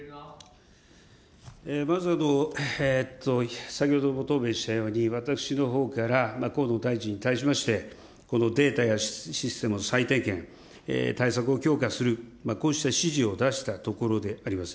まず先ほども答弁したように、私のほうから河野大臣に対しまして、データやシステムの再点検、対策を強化する、こうした指示を出したところであります。